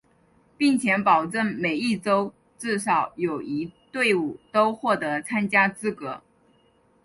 并且保证每一洲至少有一队伍都获得参加资格。